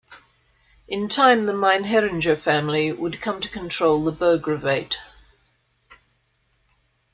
In time the Meinheringer family would come to control the burgravate.